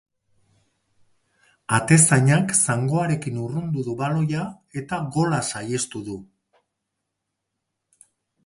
Atezainak zangoarekin urrundu du baloia eta gola saihestu du.